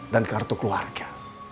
dan kartu keluarga